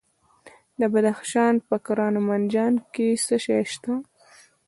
د بدخشان په کران او منجان کې څه شی شته؟